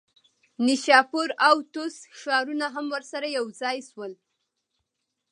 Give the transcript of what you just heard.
نیشاپور او طوس ښارونه هم ورسره یوځای شول.